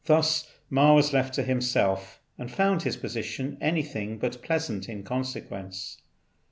Thus Ma was left to himself, and found his position anything but pleasant in consequence.